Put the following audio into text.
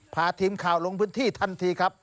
พาทีมข่าวลงพื้นที่ทันทีครับ